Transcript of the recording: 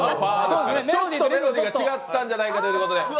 ちょっとメロディーが違ったんじゃないかということで。